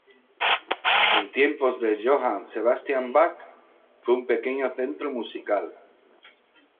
En tiempos de Johann Sebastian Bach fue un pequeño centro musical.